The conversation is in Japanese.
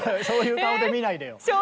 そういう顔で見ないでよ。